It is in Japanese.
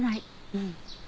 うん。